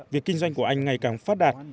việc kinh doanh của anh là một công việc tương tự